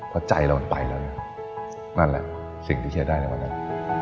เพราะใจเรามันไปแล้วเนี่ยนั่นแหละสิ่งที่เชียร์ได้ในวันนั้น